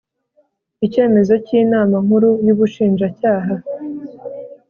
Icyemezo cy Inama Nkuru y Ubushinjacyaha